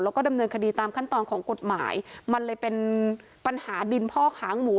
แล้วก็ดำเนินคดีตามขั้นตอนของกฎหมายมันเลยเป็นปัญหาดินพ่อค้างหมู